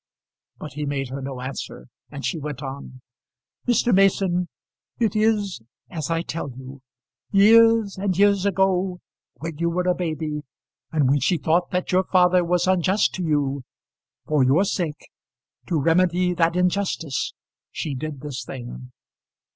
But he made her no answer, and she went on. "Mr. Mason, it is, as I tell you. Years and years ago, when you were a baby, and when she thought that your father was unjust to you for your sake, to remedy that injustice, she did this thing."